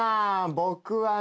僕はね